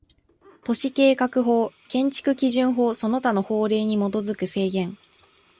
都市計画法、建築基準法その他の法令に基づく制限